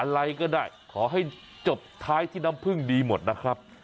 อะไรก็ได้ขอให้จบท้ายที่น้ำผึ้งดีหมดนะครับ